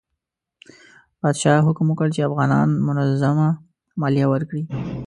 پادشاه حکم وکړ چې افغانان منظمه مالیه ورکړي.